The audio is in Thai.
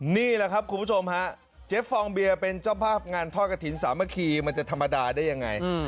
นี่แหละครับคุณผู้ชมฮะเจ๊ฟองเบียร์เป็นเจ้าภาพงานทอดกระถิ่นสามัคคีมันจะธรรมดาได้ยังไง